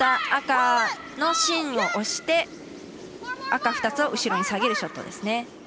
今、つけた赤のストーンを押して、赤２つを後ろに下げるショットですね。